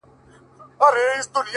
خود به يې اغزی پرهر! پرهر جوړ کړي!